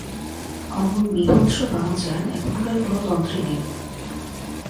অমন বীভৎস বামাচার এখনকার কোন তন্ত্রে নেই।